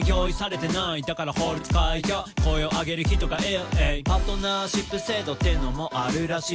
「だから法律変えよう声を上げる人がいる」「パートナーシップ制度っていうのもあるらしい」